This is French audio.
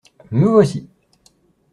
Me voici.